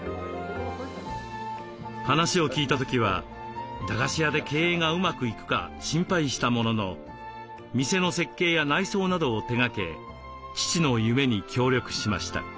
話を聞いた時は駄菓子屋で経営がうまくいくか心配したものの店の設計や内装などを手がけ父の夢に協力しました。